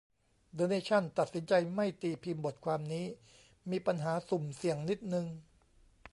เดอะเนชั่น ตัดสินใจไม่ตีพิมพ์บทความนี้ "มีปัญหาสุ่มเสี่ยงนิดนึง"